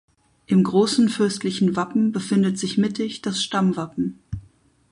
Im großen fürstlichen Wappen befindet sich mittig das Stammwappen.